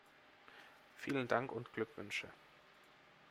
Vielen Dank und Glückwünsche.